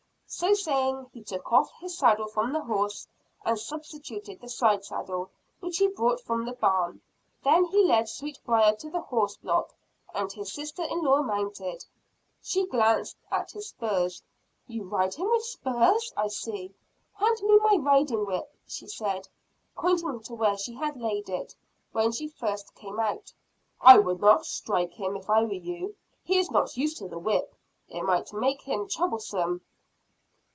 So saying, he took off his saddle from the horse, and substituted the side saddle which he brought from the barn. Then he led Sweetbriar to the horse block, and his sister in law mounted. She glanced at his spurs. "You ride him with spurs, I see. Hand me my riding whip," she said, pointing to where she had laid it, when she first came out. "I would not strike him, if I were you. He is not used to the whip it might make him troublesome."